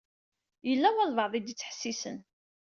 Yella walebɛaḍ i d-ittḥessisen.